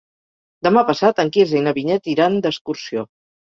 Demà passat en Quirze i na Vinyet iran d'excursió.